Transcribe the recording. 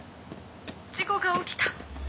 ☎事故が起きた。